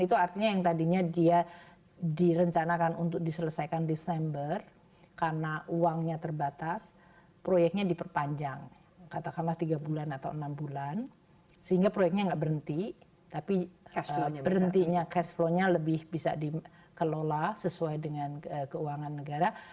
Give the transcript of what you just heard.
itu artinya yang tadinya dia direncanakan untuk diselesaikan desember karena uangnya terbatas proyeknya diperpanjang katakanlah tiga bulan atau enam bulan sehingga proyeknya nggak berhenti tapi berhentinya cash flow nya lebih bisa dikelola sesuai dengan keuangan negara